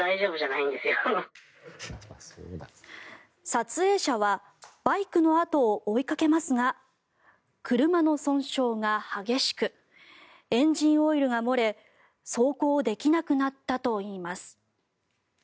撮影者はバイクのあとを追いかけますが車の損傷が激しくエンジンオイルが漏れ走行できなくなったといいます。